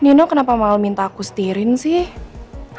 nino kenapa mau minta aku setirin sih